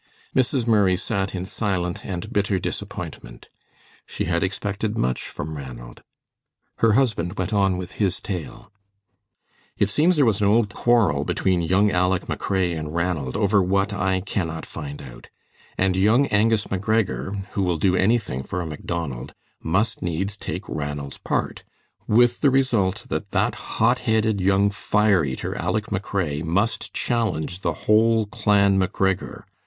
Mrs. Murray sat in silent and bitter disappointment. She had expected much from Ranald. Her husband went on with his tale. "It seems there was an old quarrel between young Aleck McRae and Ranald, over what I cannot find out; and young Angus McGregor, who will do anything for a Macdonald, must needs take Ranald's part, with the result that that hot headed young fire eater Aleck McRae must challenge the whole clan McGregor.